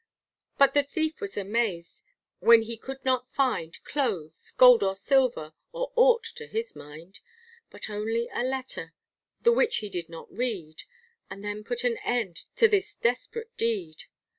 But the thief was amazed, when he could not find, Clothes, gold or silver, or ought to his mind; But only a letter, the which he did read, And then put an end to this desperate deed.